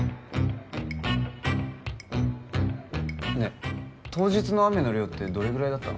ねえ当日の雨の量ってどれぐらいだったの？